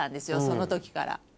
その時から。